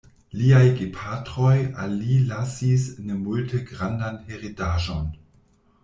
Liaj gepatroj al li lasis ne multe grandan heredaĵon.